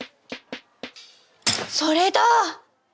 それだ！